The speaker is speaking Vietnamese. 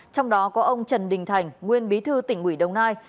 trong đó có ông trần đình thành nguyên bí thư tỉnh ủy đồng nai